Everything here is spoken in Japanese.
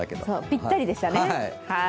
ぴったりでしたね。